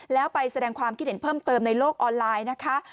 แล้วไปแสดงความคิดเห็นเพิ่มเติมในโลกออนไลน์นะคะ